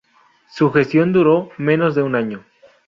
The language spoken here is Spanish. Su gestión duró menos de un año.